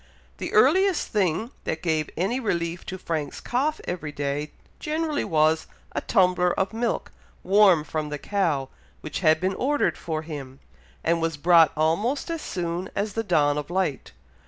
The earliest thing that gave any relief to Frank's cough every day, generally was, a tumbler of milk, warm from the cow, which had been ordered for him, and was brought almost as soon as the dawn of light.